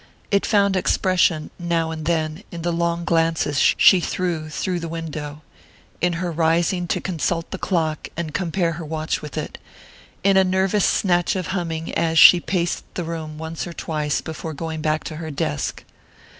It found expression, now and then, in the long glances she threw through the window in her rising to consult the clock and compare her watch with it in a nervous snatch of humming as she paced the room once or twice before going back to her desk....